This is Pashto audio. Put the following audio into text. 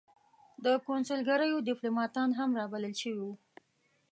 د کنسلګریو دیپلوماتان هم را بلل شوي وو.